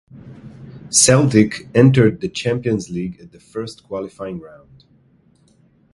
Celtic entered the Champions League at the first qualifying round.